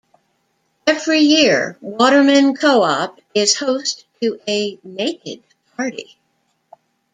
Every year Watermyn Coop is host to a Naked Party.